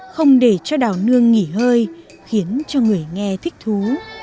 không để cho đào nương nghỉ hơi khiến cho người nghe thích thú